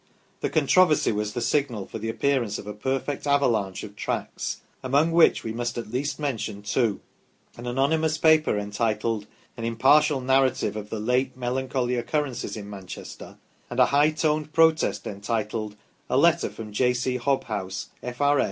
The controversy was the signal for the appearance of a perfect avalanche of tracts, among which we must at least mention two : an anonymous paper entitled, "An Impartial Narrative of the Late Melancholy Occurrences in Manchester "; and a high toned protest entitled, " A Letter from J. C. Hobhouse, F.R.